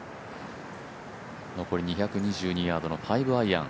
残り２２２ヤードの５アイアン。